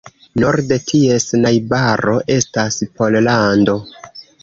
Norde ties najbaro estas Pollando.